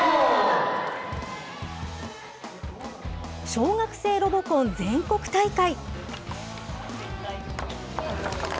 小学生ロボコン全国大会。